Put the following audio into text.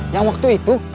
yang waktu itu